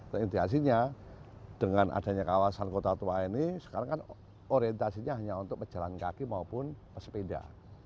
terindikasinya dengan adanya kawasan kota tua ini sekarang kan orientasinya hanya untuk pejalan kaki maupun pesepeda